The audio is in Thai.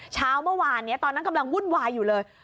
เช้าเมื่อวานนี้ตอนนั้นกำลังวุ่นวายอยู่เลย